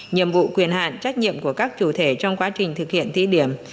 nhiệm vụ quyền hạn trách nhiệm của các chủ thể trong quá trình thực hiện thí điểm